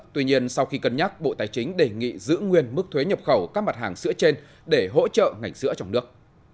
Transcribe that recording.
tuy nhiên sau khi cân nhắc bộ tài chính đề nghị giữ nguyên mức thuế nhập khẩu các mặt hàng sữa trên để hỗ trợ ngành sữa trong nước